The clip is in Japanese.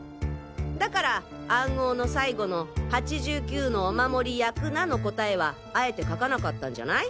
だから暗号の最後の「８９のお守り焼くな」の答えはあえて書かなかったんじゃない？